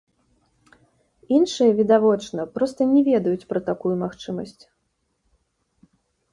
Іншыя, відавочна, проста не ведаюць пра такую магчымасць.